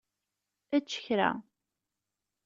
Ečč kra.